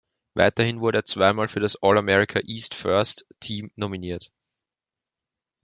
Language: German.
Weiterhin wurde er zweimal für das All-America East First Team nominiert.